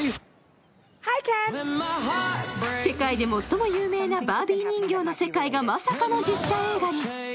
世界で最も有名なバービー人形の世界がまさかの実写映画に。